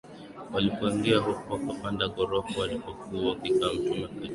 walipoingia huko wakapanda ghorofani walipokuwa wakikaa Mtume Petro